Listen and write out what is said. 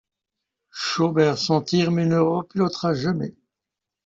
Shobert s'en tire mais ne repilotera jamais.